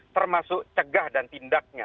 termasuk cegah dan tindaknya